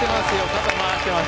肩回してます。